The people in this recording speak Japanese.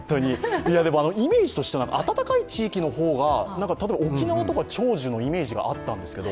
イメージとしては暖かい地域の方が、例えば沖縄とか長寿のイメージがあったんですけど？